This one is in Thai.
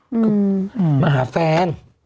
คือมาหาแฟน